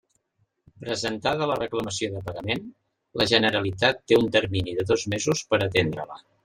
Presentada la reclamació de pagament, la Generalitat té un termini de dos mesos per a atendre-la.